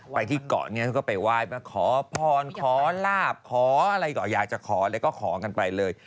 ไปที่เกาะเนี่ยเขาก็ไปไหว้มาขอพรขอลาบขออะไรก็อยากจะขออะไรก็ขอกันไปเลย